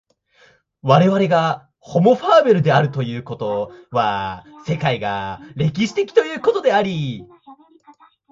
我々がホモ・ファーベルであるということは、世界が歴史的ということであり、